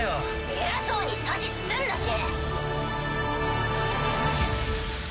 偉そうに指図すんなし！